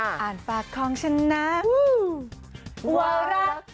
อ่านฝากของฉันนะวัวรักเธอ